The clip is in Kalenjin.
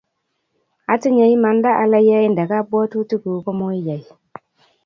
atinye imanda ale ye inde kabwotutikuk ko muiyai